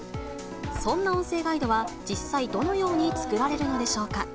そんな音声ガイドは、実際、どのように作られるのでしょうか。